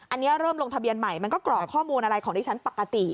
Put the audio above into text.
อันนี้เริ่มลงทะเบียนใหม่มันก็กรอกข้อมูลอะไรของดิฉันปกติ